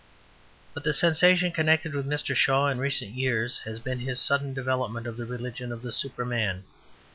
But the sensation connected with Mr. Shaw in recent years has been his sudden development of the religion of the Superman.